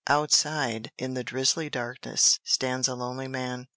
Outside, in the drizzly darkness, stands a lonely man.